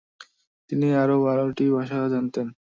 তিনি আরো বারোটি ভাষা জানতেন।